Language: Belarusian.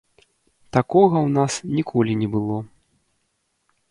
Такога ў нас ніколі не было.